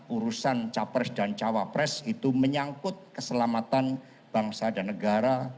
urusan capres dan cawapres itu menyangkut keselamatan bangsa dan negara